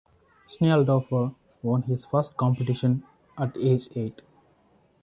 Schnelldorfer won his first competition at age eight.